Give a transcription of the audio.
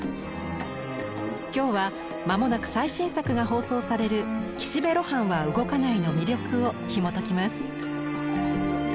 今日は間もなく最新作が放送される「岸辺露伴は動かない」の魅力をひもときます。